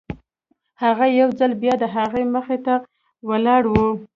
هغه يو ځل بيا د هغه مخې ته ولاړ و.